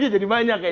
jadi banyak ya